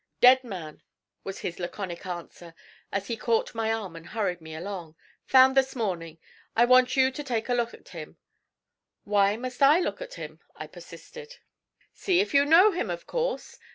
'Dead man,' was his laconic answer as he caught my arm and hurried me along. 'Found this morning. I want you to take a look at him.' 'Why must I look at him?' I persisted. 'See if you know him, of course!'